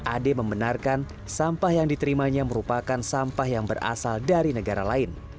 ade membenarkan sampah yang diterimanya merupakan sampah yang berasal dari negara lain